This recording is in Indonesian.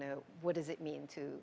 apa artinya untuk